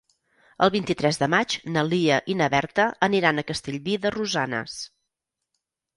El vint-i-tres de maig na Lia i na Berta aniran a Castellví de Rosanes.